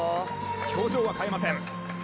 表情は変えません。